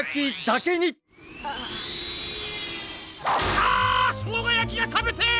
あしょうがやきがたべてえ！